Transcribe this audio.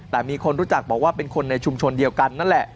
แต่มีคนรู้จักบอกว่าเป็นคนในชุมชนเดียวกันนั่นแหละ